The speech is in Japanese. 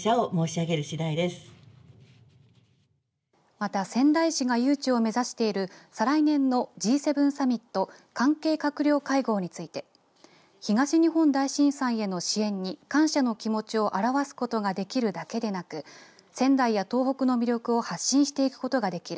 また仙台市が誘致を目指している再来年のＧ７サミット関係閣僚会合について東日本大震災への支援に感謝の気持ちを表すことができるだけでなく仙台や東北の魅力を発信していくことができる。